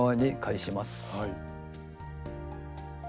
はい。